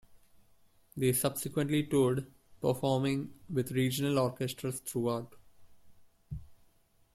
They subsequently toured, performing with regional orchestras throughout.